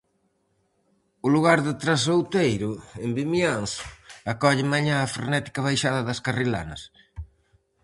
O lugar de Trasouteiro, en Vimianzo, acolle mañá a frenética baixada das carrilanas.